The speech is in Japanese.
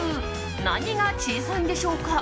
何が小さいんでしょうか？